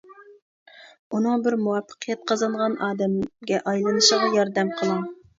ئۇنىڭ بىر مۇۋەپپەقىيەت قازانغان ئادەمگە ئايلىنىشىغا ياردەم قىلىڭ.